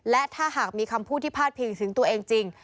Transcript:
และถ้าหากมีคำพูดที่พาดพิงถึงตัวเองจริง